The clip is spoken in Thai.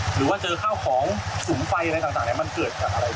หรือว่าเจอข้าวของสุมไฟอะไรต่างมันเกิดจากอะไร